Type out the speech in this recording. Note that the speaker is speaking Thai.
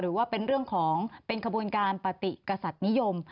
หรือว่าเป็นเรื่องของเป็นขบวนการปฏิกษัตริย์นิยม